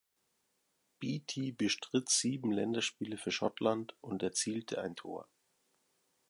Beattie bestritt sieben Länderspiele für Schottland und erzielte ein Tor.